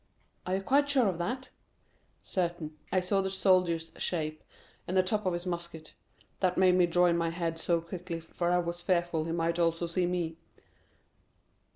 "Are you quite sure of that?" "Certain. I saw the soldier's shape and the top of his musket; that made me draw in my head so quickly, for I was fearful he might also see me."